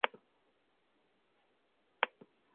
Es la cabecera del Municipio de Ayutla.